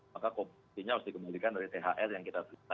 maka kursinya harus dikembalikan dari thr yang kita tulis